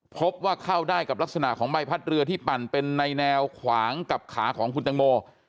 พบว่าเข้าได้กับลักษณะของใบพัดเรือที่ปั่นเป็นในแนวขวางกับขาของคุณตังโม